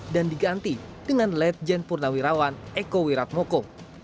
dan diganti dengan late jen purnawirawan eko wiratmoko